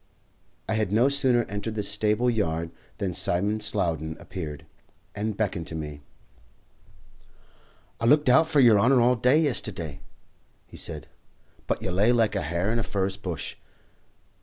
I had no sooner entered the stable yard than Simon Slowden appeared, and beckoned to me. "I looked hout for yer honour all day yesterday," he said, "but you lay like a hare in a furze bush.